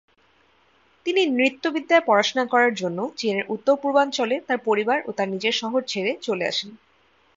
তিনি নৃত্যবিদ্যায় পড়াশোনার জন্য চীনের উত্তর-পূর্বাঞ্চলে তার পরিবার ও তার নিজের শহর ছেড়ে চলে আসেন।